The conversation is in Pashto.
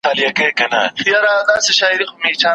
بس هغه ده چي مي مور کیسه کوله